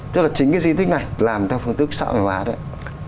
tức là chính cái di tích này làm theo phương tức xã hội hóa đấy